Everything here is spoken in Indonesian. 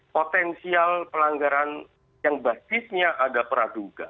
potensial pelanggaran yang basisnya ada peraduga